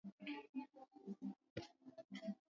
Kiungo changu.